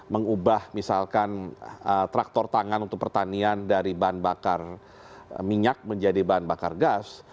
mengubah misalkan traktor tangan untuk pertanian dari bahan bakar minyak menjadi bahan bakar gas